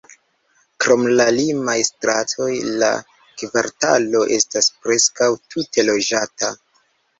Krom la limaj stratoj, la kvartalo estas preskaŭ tute loĝata.